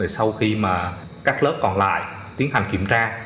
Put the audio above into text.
sau khi các lớp còn lại tiến hành kiểm tra